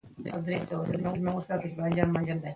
إن شاء الله ئي هم ونه ويله!! سهار چې لاړو نو